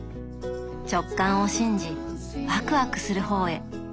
直感を信じワクワクする方へ。